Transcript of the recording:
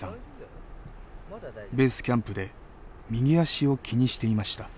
ベースキャンプで右足を気にしていました。